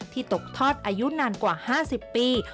ที่ตกทอดอายุนานกว่า๕๐ปี